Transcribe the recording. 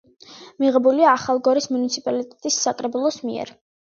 მიღებულია ახალგორის მუნიციპალიტეტის საკრებულოს მიერ.